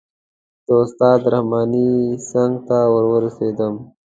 د استاد رحماني څنګ ته ور ورسېدم.